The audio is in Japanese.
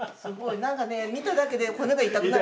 見ただけで骨が痛くなる。